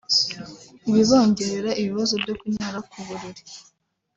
bibongerera ibibazo byo kunyara ku buriri